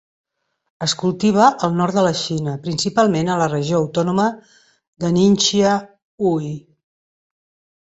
Es cultiva al nord de la Xina, principalment a la Regió Autònoma de Ningxia Hui.